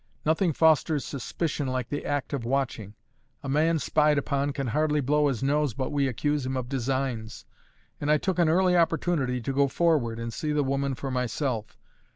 Nothing fosters suspicion like the act of watching; a man spied upon can hardly blow his nose but we accuse him of designs; and I took an early opportunity to go forward and see the woman for myself.